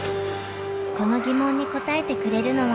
この疑問に答えてくれるのは。